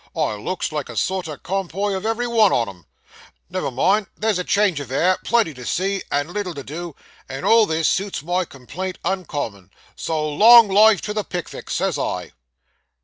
I looks like a sort of compo of every one on 'em. Never mind; there's a change of air, plenty to see, and little to do; and all this suits my complaint uncommon; so long life to the Pickvicks, says I!